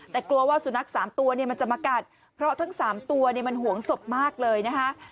แต่กลัวว่าสุนัข๓ตัวเนี่ยมันจะมากัดเพราะทั้ง๓ตัวมันห่วงศพมากเลยนะคะ